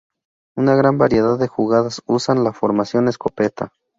Una gran variedad de jugadas usan la formación escopeta.